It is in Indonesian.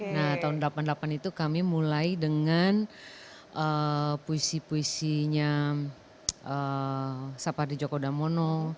nah tahun delapan puluh delapan itu kami mulai dengan puisi puisinya sapardi joko damono